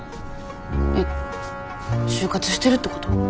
えっ就活してるってこと？